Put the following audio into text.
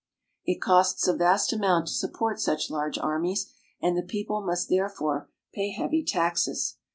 It costs a vast amount to sup port such large armies, and the people must therefore pay heavy taxes.